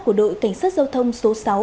của đội cảnh sát giao thông số sáu